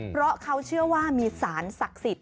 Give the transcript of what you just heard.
เพราะเขาเชื่อว่ามีสารศักดิ์สิทธิ